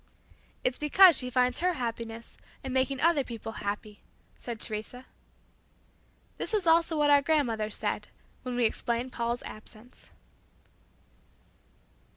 "It's because she finds her happiness in making other people happy," said Teresa. This was also what our grandmother said, when we explained Paula's absence.